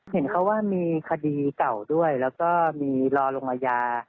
เห็นเขาว่ามีคดีเก่าด้วยแล้วก็มีรอลงอาญา